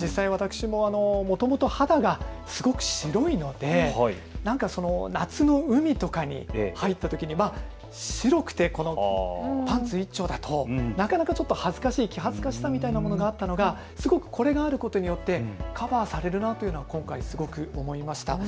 実際、私ももともと肌がすごく白いので夏の海とかに入ったときに白くて、パンツ１丁だとなかなか恥ずかしい、気恥ずかしさというものがあったのがこれがあることによってカバーされるなというのを今回、思いました。